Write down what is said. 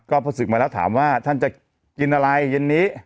ก็พอศึกมาแล้วถามว่าท่านจะกินอะไรเย็นนี้